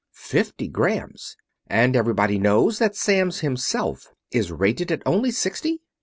"Fifty grams and everybody knows that Samms himself is rated at only sixty?